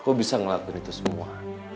kok bisa ngelakuin itu semua